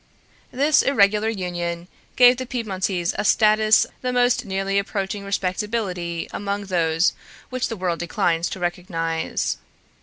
This irregular union gave the Piedmontese a status the most nearly approaching respectability among those which the world declines to recognize.